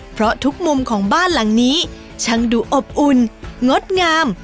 เพราะทุกมุมของบ้านหลังนี้ช่างดูอบอุ่นงดงาม